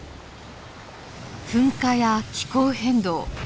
噴火や気候変動